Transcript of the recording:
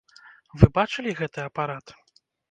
Вы бачылі гэты апарат?!